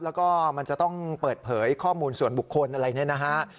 แล้วก็มันจะต้องเปิดเผยข้อมูลส่วนบุคคลอะไรเนี่ยนะฮะ